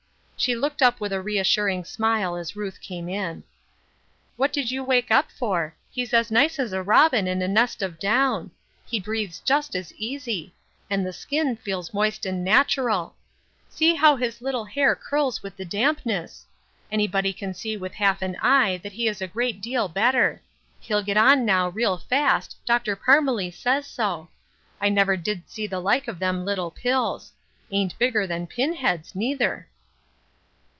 She looked up with a reassuring smile as Ruth came in. " What did you wake up for ? He's as nice as a robin in a nest of down. He breathes just as easv I and the skin feels moist and natural " The Oil of Joyr 438 See how his little hair curls with the dampness 1 Anybody can see with half an eye that he is a great deal better. He'll get on now real fast, Dr. Parmelee says so. I never did see the like cf them little pills ! Ain't bigger than pin heads, neither."